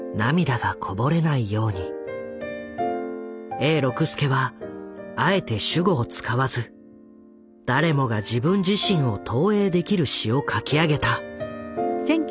永六輔はあえて主語を使わず誰もが自分自身を投影できる詞を書き上げた。